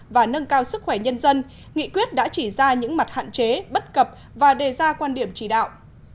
và nâng cao sức khỏe nhân dân nghị quyết đã chỉ ra những mặt hạn chế bất cập và đề ra quan điểm chỉ đạo